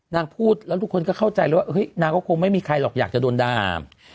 นางพูดแล้วทุกคนก็เข้าใจเลยว่านางก็คงไม่มีใครหรอกอยากจะโดนด่า